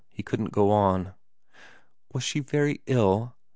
He couldn't go on. ' Was she very ill